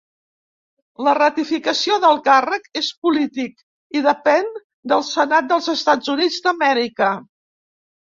La ratificació del càrrec és política, i depèn del Senat dels Estats Units d'Amèrica.